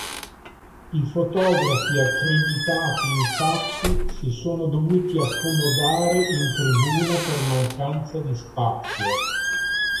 I fotografi accreditati infatti si sono dovuti accomodare in tribuna per mancanza di spazio.